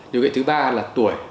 điều kiện thứ ba là tuổi